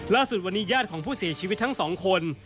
ล่าสุดวันนี้ญาติของผู้เสียชีวิตทั้งสองคน